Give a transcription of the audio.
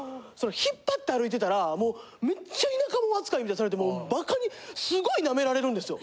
引っ張って歩いてたらもうむっちゃ田舎もん扱いみたいにされてもうバカにすごいナメられるんですよ。